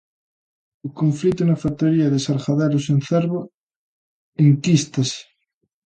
O conflito na factoría de Sargadelos en Cervo enquístase.